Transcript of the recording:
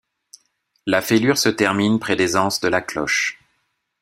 La fêlure se termine près des anses de la cloche.